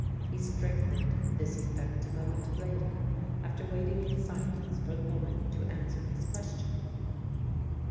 He strengthened this effect a moment later, after waiting in silence for the woman to answer his question.